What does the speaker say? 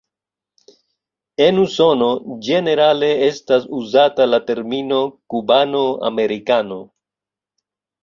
En Usono, ĝenerale estas uzata la termino "Cubano-Americano.